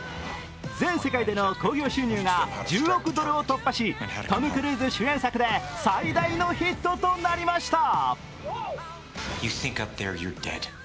全世界での興行収入が１０億ドルを突破し、トム・クルーズ主演作で最大のヒットとなりました。